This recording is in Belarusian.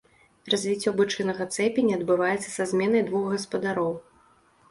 Развіццё бычынага цэпеня адбываецца са зменай двух гаспадароў.